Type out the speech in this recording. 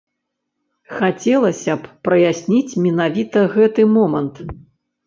Хацелася б праясніць менавіта гэты момант.